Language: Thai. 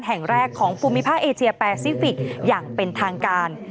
แห่งแรกของภูมิภาคเอเชียแปซิฟิกอย่างเป็นทางการ